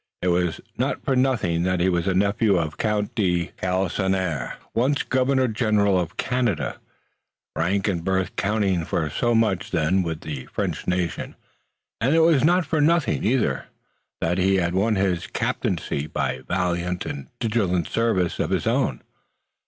It was not for nothing that he was a nephew of Count de Galisonnière, once Governor General of Canada, rank and birth counting for so much then with the French nation, and it was not for nothing, either, that he had won his captaincy by valiant and diligent service of his own.